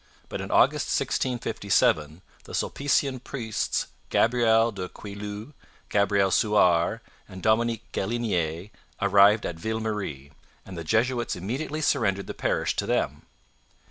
But in August 1657 the Sulpician priests Gabriel de Queylus, Gabriel Souart, and Dominic Galinier arrived at Ville Marie, and the Jesuits immediately surrendered the parish to them.